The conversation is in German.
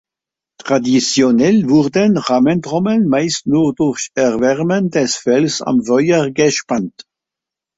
Traditionell wurden Rahmentrommeln meist nur durch Erwärmen des Fells am Feuer gespannt.